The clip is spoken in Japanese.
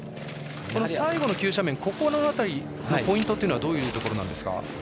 最後の急斜面の辺りポイントはどういうところですか。